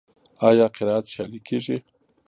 آیا قرائت سیالۍ کیږي؟